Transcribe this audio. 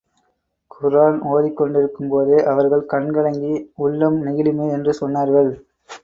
குர்ஆன் ஓதிக் கொண்டிருக்கும் போதே அவர்கள் கண் கலங்கி, உள்ளம் நெகிழுமே என்று சொன்னார்கள்.